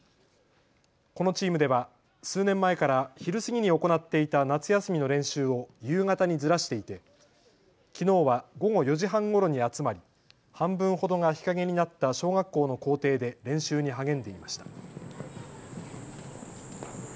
このチームでは数年前から昼過ぎに行っていた夏休みの練習を夕方にずらしていてきのうは午後４時半ごろに集まり半分ほどが日陰になった小学校の校庭で練習に励んでいました。